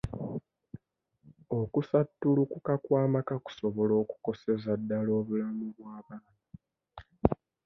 Okusattulukuka lwa kw'amaka kusobola okukoseza ddala obulamu bw'abaana.